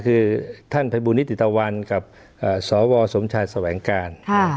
คือท่านภัยบูรณิติตะวันกับอ่าสวสมชาติสวังกาลค่ะ